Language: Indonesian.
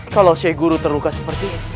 kalau si guru terluka seperti ini